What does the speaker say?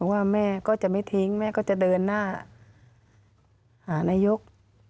ว่าแม่ก็จะไม่ทิ้งแม่ก็จะเดินหน้าหานายก